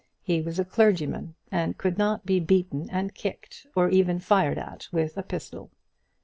He was a clergyman, and could not be beaten and kicked, or even fired at with a pistol.